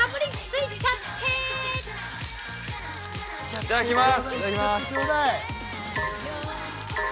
◆いただきます！